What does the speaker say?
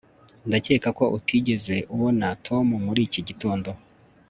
ndakeka ko utigeze ubona tom muri iki gitondo